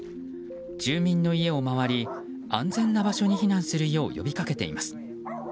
住民の家を回り、安全な場所に避難するよう呼びかけています。